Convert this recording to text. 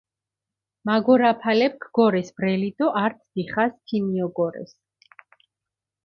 მაგორაფალეფქ გორეს ბრელი დო ართ დიხას ქიმიოგორეს.